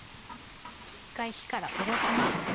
一回火からおろします。